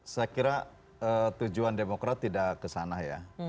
saya kira tujuan demokrat tidak ke sana ya